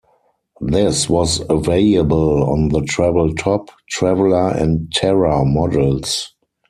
This was available on the Travel top, Traveler and Terra models.